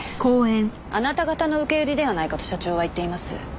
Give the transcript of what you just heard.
あなた方の受け売りではないかと社長は言っています。